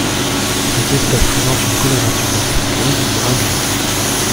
Cette espèce présente une coloration dorsale grise ou brun gris.